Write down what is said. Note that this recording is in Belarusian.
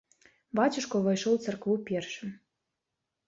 Бацюшка ўвайшоў у царкву першым.